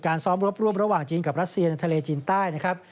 ซ้อมรบร่วมระหว่างจีนกับรัสเซียในทะเลจีนใต้นะครับ